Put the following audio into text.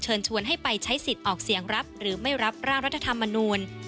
ชวนให้ไปใช้สิทธิ์ออกเสียงรับหรือไม่รับร่างรัฐธรรมนูล